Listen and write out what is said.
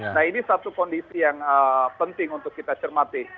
nah ini satu kondisi yang penting untuk kita cermati